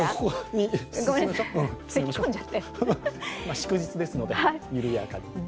祝日ですので、緩やかに。